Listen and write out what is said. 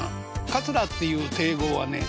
桂っていう亭号はね